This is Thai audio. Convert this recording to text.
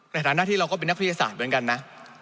ในฐานะที่เราก็เป็นนักพฤศาลเหมือนกันนะ